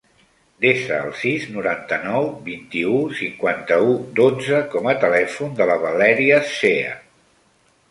Desa el sis, noranta-nou, vint-i-u, cinquanta-u, dotze com a telèfon de la Valèria Zea.